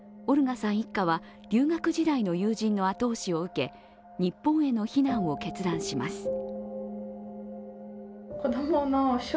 オルガさん一家は留学時代の友人の後押しを受け日本への避難を決断します。